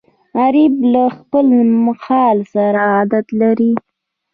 غریب له خپل حال سره عادت لري